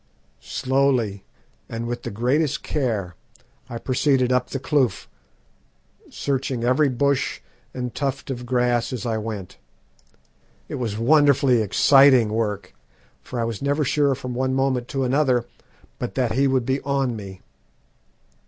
Slowly, and with the greatest care, I proceeded up the kloof, searching every bush and tuft of grass as I went. It was wonderfully exciting, work, for I never was sure from one moment to another but that he would be on me.